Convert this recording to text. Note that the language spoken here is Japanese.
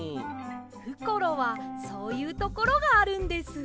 ふころはそういうところがあるんです。